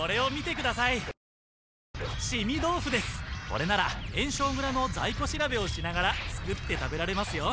これなら焔硝蔵の在庫調べをしながら作って食べられますよ。